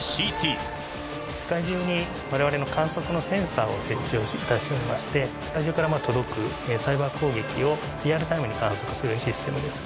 世界中にわれわれの観測のセンサーを設置をいたしまして、世界中から届くサイバー攻撃を、リアルタイムに観測するシステムです。